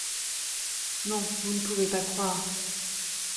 Non, vous ne pouvez pas croire…